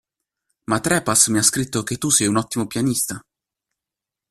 Ma Trepas mi ha scritto che tu sei un ottimo pianista.